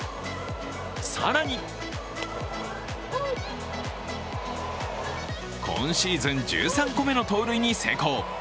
更に、今シーズン１３個目の盗塁に成功。